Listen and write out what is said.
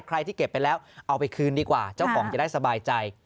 ใครที่เก็บไปแล้วเอาไปคืนดีกว่าเจ้าของจะได้สบายใจ